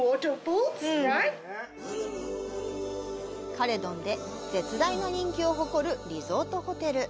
カレドンで絶大な人気を誇るリゾートホテル。